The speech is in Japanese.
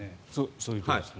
そういうことですね。